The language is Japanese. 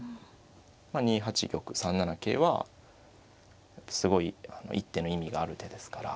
まあ２八玉３七桂はすごい一手の意味がある手ですから。